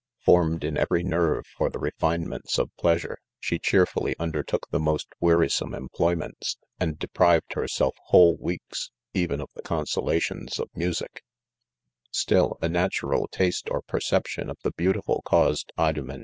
Formed in every nerve for the refinements of pleasure, she cheerfully undertook the most wearisome employments .; and deprived herself whole weeks, even of the consolations of music, Still, a natural taste or perception of the beautiful caused Idomen.